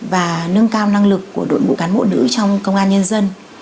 và nâng cao năng lực của đội ngũ cán bộ nữ trong công an nhân dân